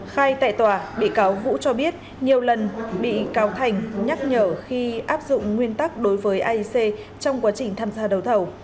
khai tại tòa bị cáo vũ cho biết nhiều lần bị cáo thành nhắc nhở khi áp dụng nguyên tắc đối với aic trong quá trình tham gia đấu thầu